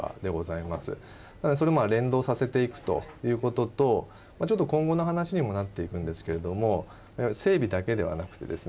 ただそれを連動させていくということとちょっと今後の話にもなっていくんですけれども整備だけではなくてですね